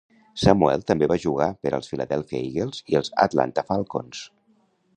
Samuel també va jugar per als Philadelphia Eagles i els Atlanta Falcons.